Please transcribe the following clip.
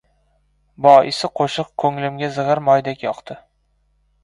Boisi, qo‘shiq ko‘nglimga zig‘ir moydek yoqdi.